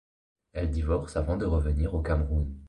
Elle divorce avant de revenir au Cameroun.